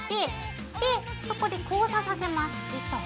でそこで交差させます糸を。